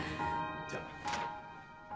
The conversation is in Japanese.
じゃあ。